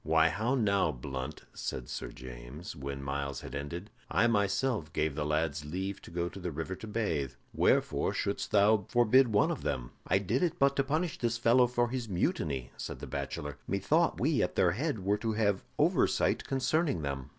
"Why, how now, Blunt," said Sir James, when Myles had ended, "I myself gave the lads leave to go to the river to bathe. Wherefore shouldst thou forbid one of them?" "I did it but to punish this fellow for his mutiny," said the bachelor. "Methought we at their head were to have oversight concerning them."